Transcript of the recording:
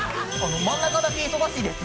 真ん中だけ忙しいです。